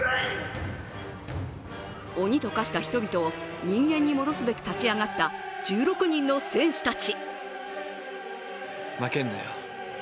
鬼と化した人々を人間に戻すべく立ち上がった１６人の戦士たち。